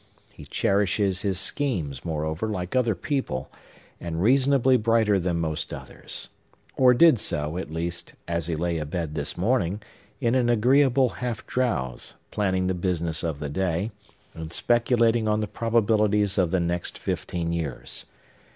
He cherishes his schemes, moreover, like other people, and reasonably brighter than most others; or did so, at least, as he lay abed this morning, in an agreeable half drowse, planning the business of the day, and speculating on the probabilities of the next fifteen years.